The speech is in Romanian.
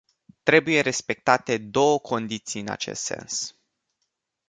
Trebuie respectate două condiții în acest sens.